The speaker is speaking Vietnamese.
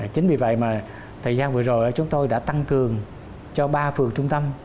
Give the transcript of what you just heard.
chính vì vậy mà thời gian vừa rồi chúng tôi đã tăng cường cho ba phường trung tâm